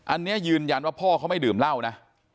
อันนี้ยืนยันว่าพ่อเขาไม่ดื่มเหล้านะ